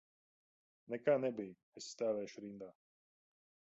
Nekā nebija, es stāvēšu rindā.